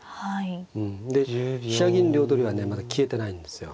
で飛車銀両取りはねまだ消えてないんですよ。